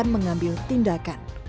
jokowi mengambil tindakan